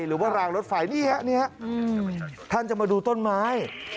หรือว่ารางรถไฟนี่ฮะนี่ฮะท่านจะมาดูต้นไม้